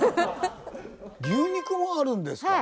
牛肉もあるんですか。